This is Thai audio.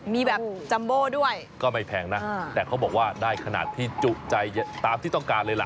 มีแบบจัมโบ้ด้วยก็ไม่แพงนะแต่เขาบอกว่าได้ขนาดที่จุใจตามที่ต้องการเลยล่ะ